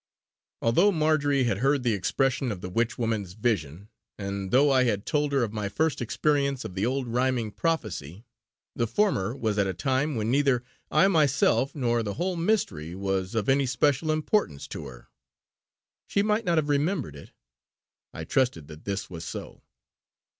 Although Marjory had heard the expression of the Witch woman's vision, and though I had told her of my first experience of the old rhyming prophecy, the former was at a time when neither I myself nor the whole mystery was of any special importance to her. She might not have remembered it; I trusted that this was so.